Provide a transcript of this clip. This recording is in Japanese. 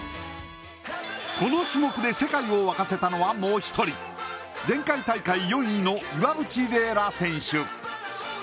この種目で世界を沸かせたのはもう一人前回大会４位の岩渕麗楽選手。